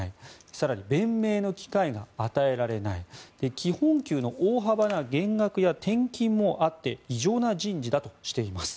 更に、弁明の機会が与えられない基本給の大幅な減額や転勤もあって異常な人事だとしています。